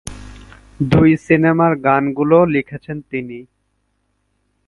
দুই সিনেমার গানগুলো লিখেছেন তিনি।